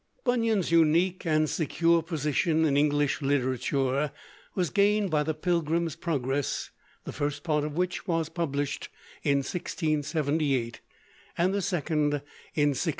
Bunyan's unique and secure position in English literature was gained by the 'Pilgrim's Progress,' the first part of which was published in 1678, and the second in 1685.